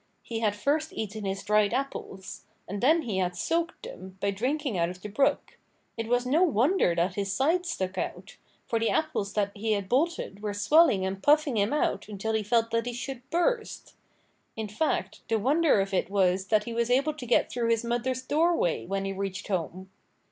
He had first eaten his dried apples. And then he had soaked them, by drinking out of the brook. It was no wonder that his sides stuck out, for the apples that he had bolted were swelling and puffing him out until he felt that he should burst. In fact, the wonder of it was that he was able to get through his mother's doorway, when he reached home.